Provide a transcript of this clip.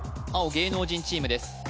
青芸能人チームです